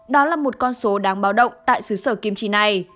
đó là một con số đáng báo động tại xứ sở kim trì này